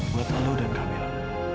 buat lo dan kamilah